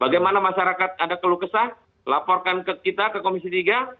bagaimana masyarakat ada keluh kesah laporkan ke kita ke komisi tiga